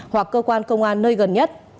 hoặc cơ quan công an nơi gần nhất